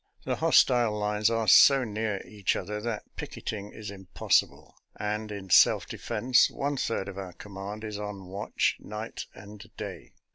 The hostile lines are so near each other that picketing is impossible, and, in self defense, one third of our command is on watch night and day.